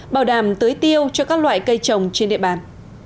bảo đảm tưới tiêu cho các loại cây trồng trên địa bàn